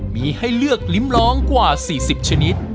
มีให้เลือกลิ้มลองกว่า๔๐ชนิด